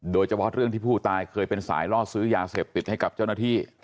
โดยเฉพาะเรื่องที่ผู้ตายเคยเป็นสายล่อซื้อยาเสพติดให้กับเจ้าหน้าที่